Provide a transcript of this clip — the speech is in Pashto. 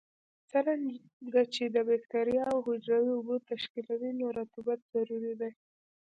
څرنګه چې د بکټریاوو حجرې اوبه تشکیلوي نو رطوبت ضروري دی.